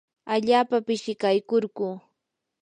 allaapa pishikaykurquu.